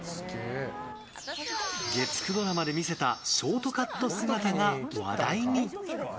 月９ドラマで見せたショートカット姿が話題に。